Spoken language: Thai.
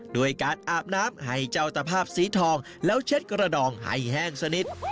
ด้วยการอาบน้ำให้เจ้าตภาพสีทองแล้วเช็ดกระดองให้แห้งสักนิด